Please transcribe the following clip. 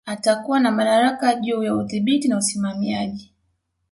Atakuwa na madaraka juu ya udhibiti na usimamiaji